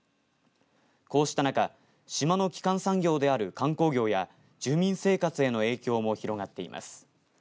こうした中島の基幹産業である観光業や住民生活への影響も広がっています。